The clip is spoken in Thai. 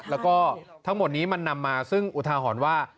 แล้วก็ทั้งหมดนี้มันนำมาซึ่งอุทาหรณ์ว่า